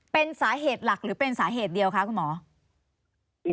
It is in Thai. เป็นสาเหตุหลักหรือเป็นสาเหตุเดียวคะคุณหมอ